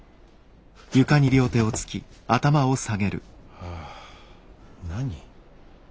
ああ何？